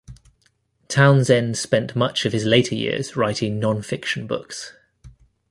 Townsend spent much of his later years writing non-fiction books.